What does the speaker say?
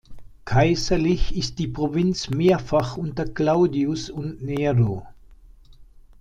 Kaiserlich ist die Provinz mehrfach unter Claudius und Nero.